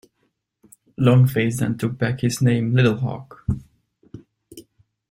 'Long Face' then took back his name Little Hawk.